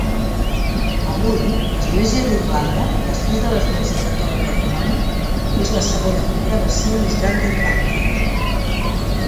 Avui l'Església d'Irlanda, després de l'Església Catòlica Romana, és la segona congregació més gran d'Irlanda.